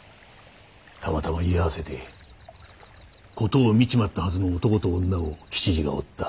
たまたま居合わせて事を見ちまったはずの男と女を吉次が追った。